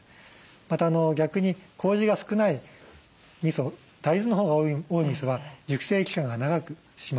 また逆にこうじが少ないみそ大豆のほうが多いみそは熟成期間が長くします。